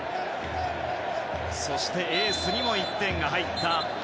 そして、エースにも１点が入った。